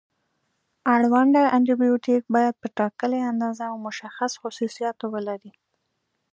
اړونده انټي بیوټیک باید په ټاکلې اندازه او مشخص خصوصیاتو ولري.